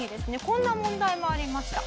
こんな問題もありました。